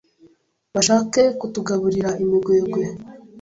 bashake kutugaburira imigwegwe